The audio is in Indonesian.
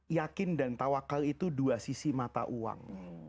yakin dan tawakal itu dua sisi mata uang